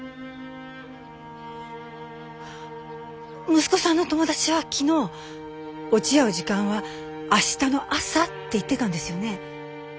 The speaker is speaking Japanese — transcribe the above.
息子さんの友達は昨日落ち合う時間は明日の朝って言ってたんですよね？